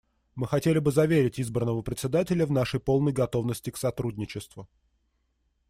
Мы хотели бы заверить избранного Председателя в нашей полной готовности к сотрудничеству.